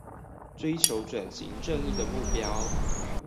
追求轉型正義的目標